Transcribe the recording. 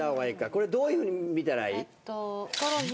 これどういうふうに見たらいい？